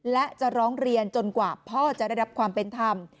และจะร้องเรียนจนกว่าพ่อจะได้รับความเป็นธรรม